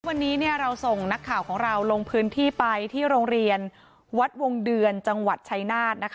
วันนี้เราส่งนักข่าวของเราลงพื้นที่ไปที่โรงเรียนวัดวงเดือนจังหวัดชัยนาธ